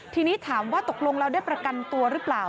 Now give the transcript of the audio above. ทีนี้ถามว่าตกลงแล้วได้ประกันตัวหรือเปล่า